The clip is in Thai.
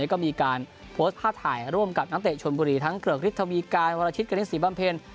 ก็มีการโพสต์ภาพถ่ายร่วมกับนักเตะชนบุรีทั้งเกือกฤทธวีการวรชิตกณิตศรีบำเพ็ญ